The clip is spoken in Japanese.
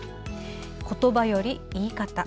言葉より、言い方。